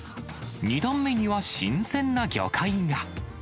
２段目には新鮮な魚介が。